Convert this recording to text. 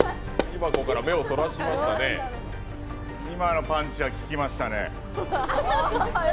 今のパンチは効きましたね。